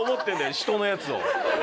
人のやつを。